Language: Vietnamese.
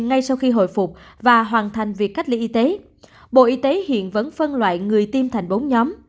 ngay sau khi hồi phục và hoàn thành việc cách ly y tế bộ y tế hiện vẫn phân loại người tiêm thành bốn nhóm